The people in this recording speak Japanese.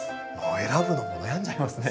選ぶのも悩んじゃいますね。